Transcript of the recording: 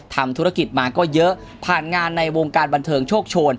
ทำธุรกิจมาก็เยอะผ่านงานในวงการบันเทิงโชคโชน